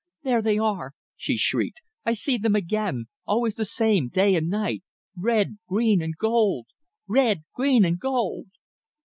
"There they are!" she shrieked. "I see them again always the same, day and night red, green and gold! red, green and gold!"